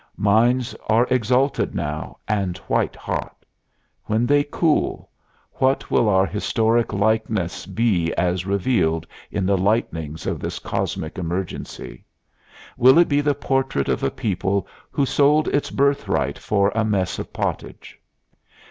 Minds are exalted now, and white hot. When they cool, what will our historic likeness be as revealed in the lightnings of this cosmic emergency? Will it be the portrait of a people who sold its birthright for a mess of pottage?